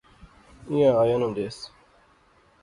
ایہھاں آیا ناں دیس